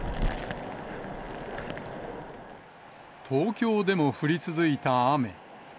東京でも降り続いた雨。